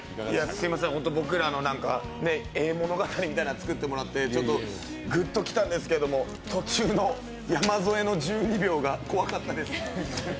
すいません、ホント僕らのええ物語みたいの作ってもらってグッときたんですけど、途中の山添の１２秒が怖かったです。